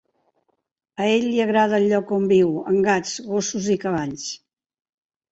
A ell li agrada el lloc on viu, amb gats, gossos i cavalls.